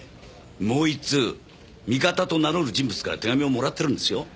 もう１通味方と名乗る人物から手紙をもらってるんですよ。